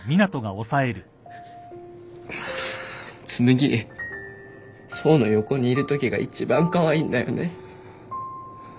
紬想の横にいるときが一番カワイイんだよね。